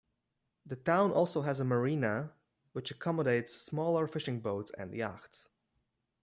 The town also has a marina which accommodates smaller fishing boats and yachts.